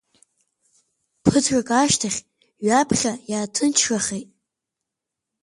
Ԥыҭрак ашьҭахь ҩаԥхьа иааҭынчрахеит.